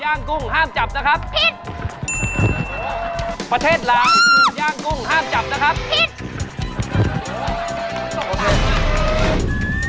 กุ้งห้ามจับนะครับพริกประเทศลาวย่างกุ้งห้ามจับนะครับพริก